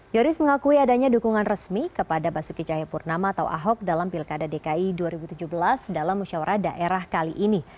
yoris mengakui adanya dukungan resmi kepada basuki cahayapurnama atau ahok dalam pilkada dki dua ribu tujuh belas dalam musyawarah daerah kali ini